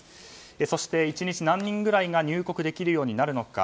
そして、１日何人ぐらいが入国できるようになるのか。